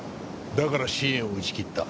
だから支援を打ち切った。